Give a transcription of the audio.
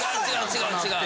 違う違う。